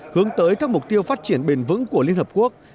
hướng tới các mục tiêu phát triển bền vững của liên hợp quốc